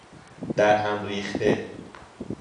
درهم ریخته